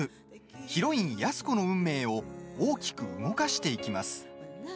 ヒロイン・安子の運命を大きく動かしていきます。